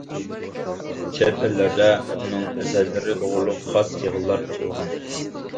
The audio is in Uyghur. چەت ئەللەردە ئۇنىڭ ئەسەرلىرى توغرۇلۇق خاس يېغىنلار ئېچىلغان.